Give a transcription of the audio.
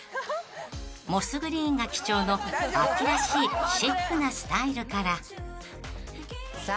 ［モスグリーンが基調の秋らしいシックなスタイルから］